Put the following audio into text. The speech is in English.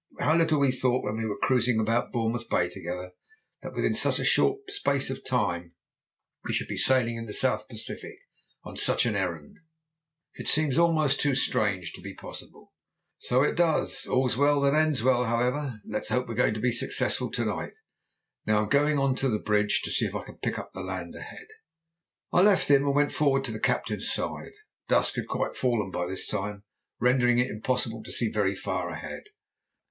"How little we thought when we were cruising about Bournemouth Bay together that within such a short space of time we should be sailing the South Pacific on such an errand! It seems almost too strange to be possible." "So it does! All's well that ends well, however. Let's hope we're going to be successful to night. Now I'm going on the bridge to see if I can pick the land up ahead." I left him and went forward to the captain's side. Dusk had quite fallen by this time, rendering it impossible to see very far ahead.